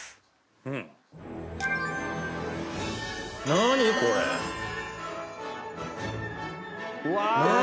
何これ⁉うわ！